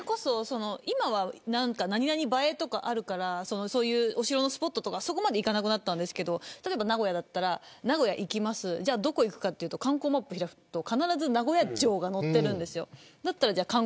今は何々映えとかあるからそういうお城のスポットとかそこまで行かなくなったんですけど例えば名古屋だったら名古屋行きますどこ行くかといったら観光マップ開くと必ず名古屋城が載ってるんですよ。